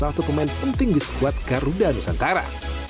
dan salah satu pemain penting di skuad garuda nusantara